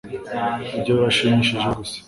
ibyo birashimishije gusa